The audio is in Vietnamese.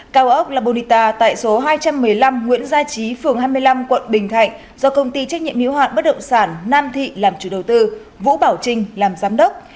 cao ốc labonita tại số hai trăm một mươi năm nguyễn gia trí phường hai mươi năm quận bình thạnh do công ty trách nhiệm hiếu hạn bất động sản nam thị làm chủ đầu tư vũ bảo trinh làm giám đốc